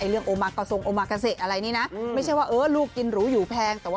เรื่องโอมากาซงโอมากาเสะอะไรนี้นะ